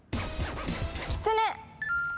キツネ！